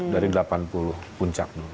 dari delapan puluh puncak